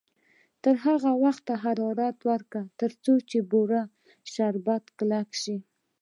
تر هغه وخته حرارت ورکړئ تر څو د بورې شربت کلک شي.